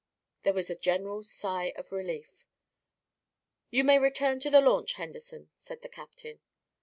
There was a general sigh of relief. "You may return to the launch, Henderson," said the captain.